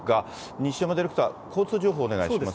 西山ディレクター、交通情報お願いします。